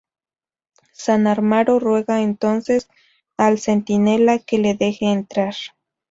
San Amaro ruega entonces al centinela que le deje entrar.